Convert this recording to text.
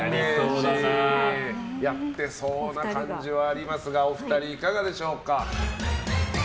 やってそうな感じはありますがお二人、いかがでしょうか？